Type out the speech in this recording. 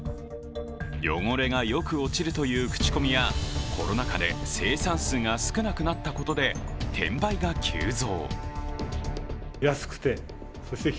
汚れがよく落ちるという口コミやコロナ禍で生産数が少なくなったことで転売が急増。